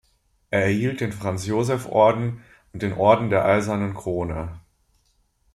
Er erhielt den Franz-Joseph-Orden und den Orden der Eisernen Krone.